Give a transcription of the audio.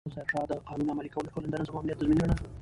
ظاهرشاه د قانون عملي کول د ټولنې د نظم او امنیت تضمین ګڼل.